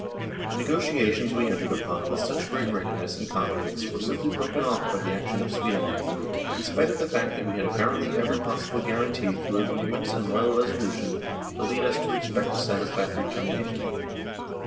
The negotiations we entered upon with such great readiness and confi dence were simply broken off by the action of Sweden, in spite of the fact that we had apparently every possible guarantee through agreements and Royal resolution to lead us to expect a satisfactory termi nation.